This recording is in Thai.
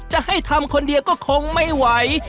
จะให้ทำคนเดียวก็คงไม่ไหว